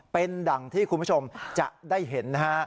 เป็นดั่งที่คุณผู้ชมจะได้เห็นนะฮะ